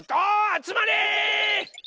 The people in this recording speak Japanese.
あつまれ！